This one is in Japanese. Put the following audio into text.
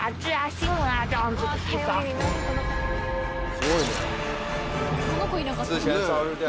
すごいね。